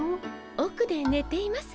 おくでねています。